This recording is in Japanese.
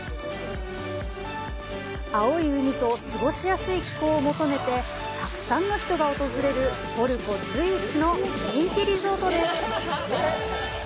青い海と過ごしやすい気候を求めてたくさんの人が訪れるトルコ随一の人気リゾートです。